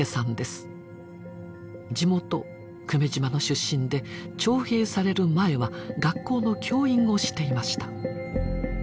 地元久米島の出身で徴兵される前は学校の教員をしていました。